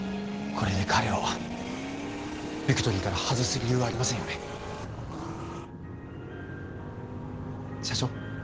これで彼をビクトリーから外す理由はありませんよね社長？